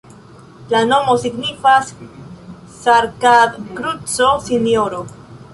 La nomo signifas Sarkad-kruco-Sinjoro.